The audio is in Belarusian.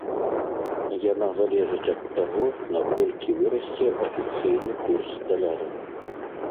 Яна залежыць ад таго, наколькі вырасце афіцыйны курс даляра.